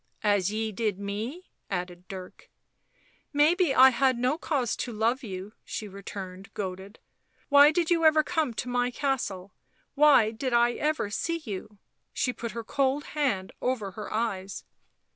" As ye did me," added Dirk. " Maybe I had no cause to love you," she returned, goaded. " Why did you ever come to my castle 1 Why did I ever see you ?" She put her cold hand over her eyes.